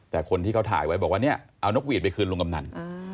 แต่คนที่เขาถ่ายไว้บอกว่าเนี่ยเอานกหวีดไปคืนลุงกำนัน